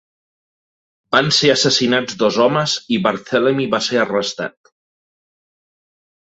Van ser assassinats dos homes i Barthelemy va ser arrestat.